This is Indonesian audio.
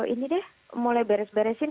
ini deh mulai beres beresin